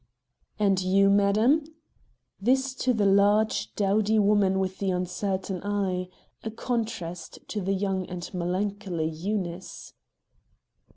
"And you, madam?" this to the large, dowdy woman with the uncertain eye, a contrast to the young and melancholy Eunice.